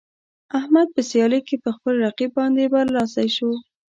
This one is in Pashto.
احمد په سیالۍ کې په خپل رقیب باندې برلاسی شو.